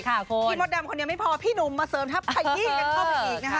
พี่มดดำคนยังไม่พอพี่หนุ่มมาเสริมทัพขยี้กันเข้าไปอีกนะคะ